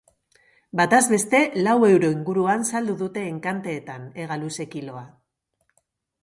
Batazbeste lau euro inguruan saldu dute enkanteetan, hegaluze-kiloa.